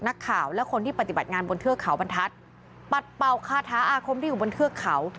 นักข่าวและคนที่ปฏิบัติงานบนเทือกเขาบรรทัศน์ปัดเป่าคาถาอาคมที่อยู่บนเทือกเขา